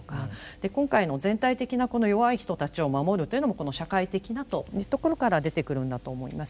で今回の全体的なこの弱い人たちを守るというのもこの「社会的な」というところから出てくるんだと思います。